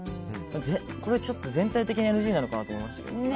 これ、ちょっと全体的にＮＧなのかなと思いましたね。